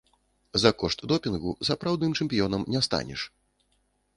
За кошт допінгу сапраўдным чэмпіёнам не станеш.